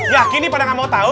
ya kini pada gak mau tahu